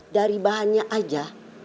dari bahannya aja